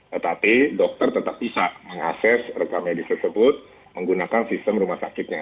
tetapi dokter tetap bisa mengakses rekam medis tersebut menggunakan sistem rumah sakitnya